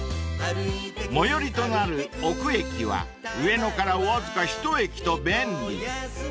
［最寄りとなる尾久駅は上野からわずか１駅と便利］